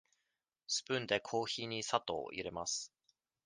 スプーンでコーヒーに砂糖を入れます。